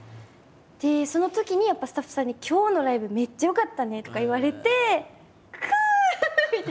そのときにやっぱスタッフさんに「今日のライブめっちゃよかったね」とか言われて「くぅ！」みたいな。